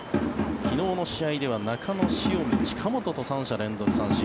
昨日の試合では中野、塩見、近本と３者連続三振。